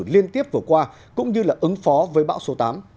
liên tiếp vừa qua cũng như là ứng phó với bão số tám